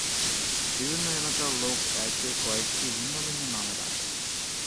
বিভিন্ন এলাকার লোক একে কয়েকটি ভিন্ন ভিন্ন নামে ডাকে।